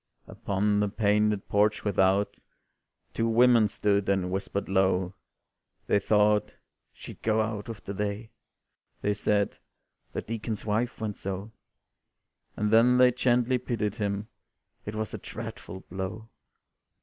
Upon the painted porch without Two women stood, and whispered low, They thought "she'd go out with the day," They said, "the Deacon's wife went so." And then they gently pitied him "It was a dreadful blow."